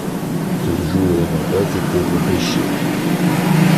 Ce joueur n'a pas été repêché.